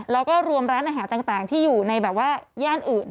แล้วก็รวมร้านอาหารต่างที่อยู่ในแบบว่าย่านอื่น